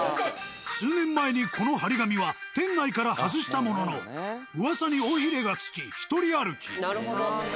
数年前にこの張り紙は店内から外したものの噂に尾ひれが付き１人歩き。